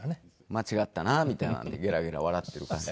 間違ったなみたいなんでゲラゲラ笑っている感じで。